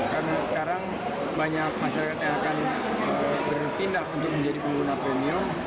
karena sekarang banyak masyarakat yang akan berpindah menjadi pengguna premium